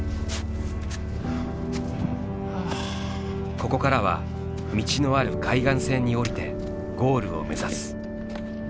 ここからは道のある海岸線に下りてゴールを目指す。